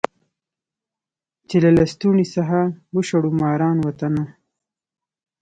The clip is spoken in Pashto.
چي له لستوڼي څخه وشړو ماران وطنه